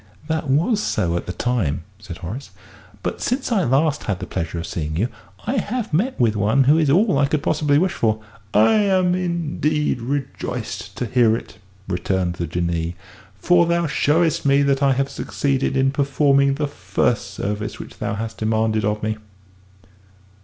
"That was so at the time," said Horace; "but since I last had the pleasure of seeing you, I have met with one who is all I could possibly wish for." "I am indeed rejoiced to hear it," returned the Jinnee, "for thou showest me that I have succeeded in performing the first service which thou hast demanded of me."